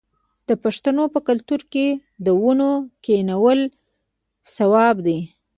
د پښتنو په کلتور کې د ونو کینول ثواب دی.